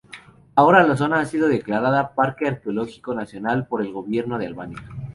Ahora la zona ha sido declarada Parque Arqueológico Nacional por el Gobierno de Albania.